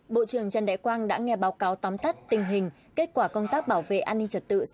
bộ trưởng trần đại quang đã nghe báo cáo tóm tắt tình hình kết quả công tác bảo vệ an ninh trật tự